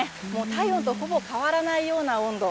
体温とほぼ変わらないような温度。